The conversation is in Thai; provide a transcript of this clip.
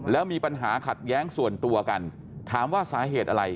แล้วมีปัญหาขัดแย้งส่วนตัวกันถามว่าสาเหตุอะไร